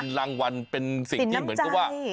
รางวัลเป็นสิ่งที่เหมือนกับว่า